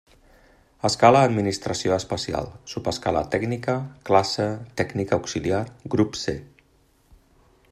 Escala administració especial, subescala tècnica, classe tècnic auxiliar, grup C.